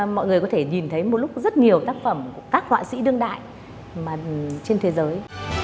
mọi người có thể nhìn thấy một lúc rất nhiều tác phẩm của các họa sĩ đương đại trên thế giới